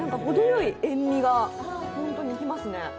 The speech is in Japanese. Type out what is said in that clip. ほどよい塩味が本当にきますね。